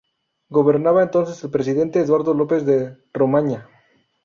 Gobernaba entonces el presidente Eduardo López de Romaña.